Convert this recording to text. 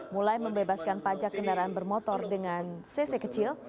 mulai membebaskan pajak kendaraan bermotor dengan cc kecil